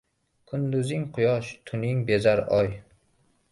Kunduzin Quyosh, tunin bezar Oy